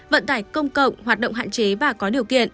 vận tải công cộng hoạt động hạn chế và có điều kiện